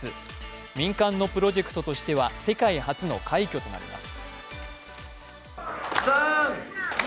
民間のプロジェクトとしては世界初の快挙となります。